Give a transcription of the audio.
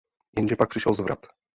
Jenže pak přišel zvrat.